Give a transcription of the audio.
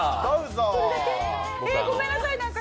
ごめんなさい、なんか。